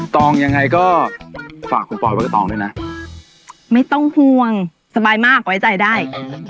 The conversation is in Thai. ตองยังไงก็ฝากคุณปอยไว้กับตองด้วยนะไม่ต้องห่วงสบายมากไว้ใจได้